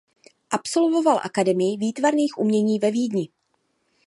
Absolvoval Akademii výtvarných umění ve Vídni.